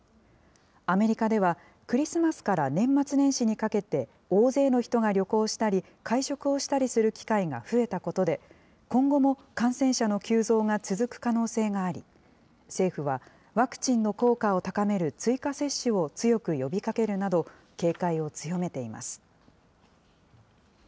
アメリカでは、クリスマスから年末年始にかけて大勢の人が旅行したり会食をしたりする機会が増えたことで、今後も感染者の急増が続く可能性があり、政府は、ワクチンの効果を高める追加接種を強く呼びかけるなど、警戒を強めています。